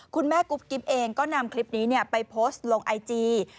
คุณแม่กุ๊บกิ๊บเองก็นำคลิปนี้ไปโพสต์ลงไอจี